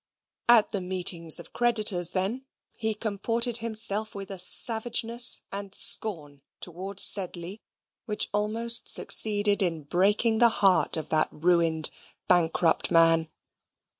At the meetings of creditors, then, he comported himself with a savageness and scorn towards Sedley, which almost succeeded in breaking the heart of that ruined bankrupt man.